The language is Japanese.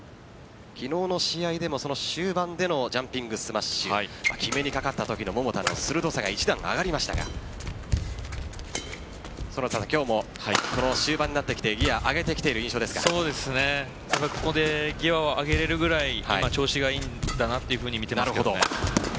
昨日の試合でも終盤でのジャンピングスマッシュ決めにかかったときの桃田の鋭さが一段上がりましたがその辺り、今日も終盤になってきてここでギアを上げれるぐらい調子がいいんだなと見てますけどね。